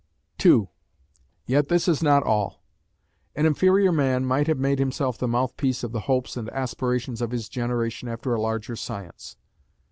2. Yet this is not all. An inferior man might have made himself the mouthpiece of the hopes and aspirations of his generation after a larger science.